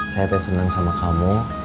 saya teh seneng sama kamu